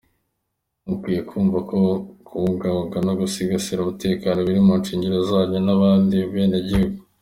Mukwiye kumva ko kubungabunga no gusigasira umutekano biri mu shingiro zanyu nk’abandi benegihugu."